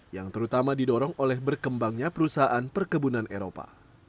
yang terutama didorong oleh berkembangnya perusahaan perkebunan eropa